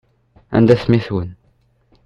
Anda-t mmi-twen?